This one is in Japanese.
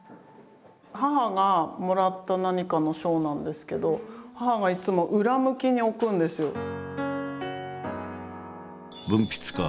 母がもらった何かの賞なんですけど母がいつも裏向きに置くんですよ。